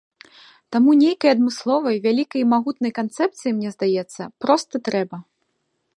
Таму нейкай адмысловай вялікай і магутнай канцэпцыі, мне здаецца, проста трэба.